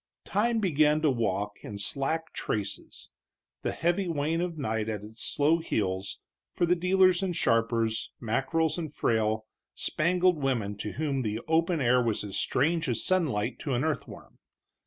Time began to walk in slack traces, the heavy wain of night at its slow heels, for the dealers and sharpers, mackerels and frail, spangled women to whom the open air was as strange as sunlight to an earthworm.